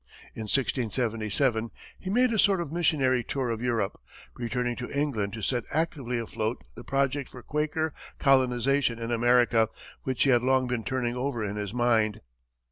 In 1677, he made a sort of missionary tour of Europe, returning to England to set actively afloat the project for Quaker colonization in America which he had long been turning over in his mind.